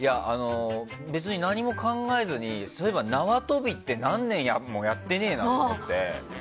別に何も考えずにそういえば縄跳びって何年もやってねえなと思って。